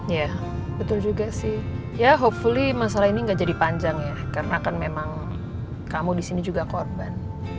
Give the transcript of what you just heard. ya betul juga sih ya hopefully masalah ini gak jadi panjang ya karena kan memang kamu disini juga korban